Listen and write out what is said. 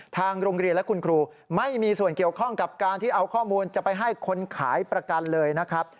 ทางโรงเรียนและคุณครูไม่มีส่วนเกี่ยวข้องกับการที่เอาข้อมูลจะไปให้คนขายประกันเลยนะครับ